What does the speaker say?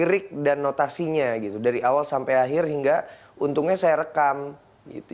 lirik dan notasinya gitu dari awal sampai akhir hingga untungnya saya rekam gitu